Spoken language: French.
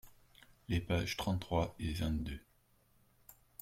Les pages trente-trois et vingt-deux.